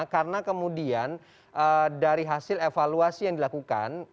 karena kemudian dari hasil evaluasi yang dilakukan